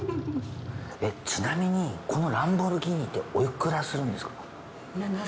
ちなみにこのランボルギーニっておいくらするんですか？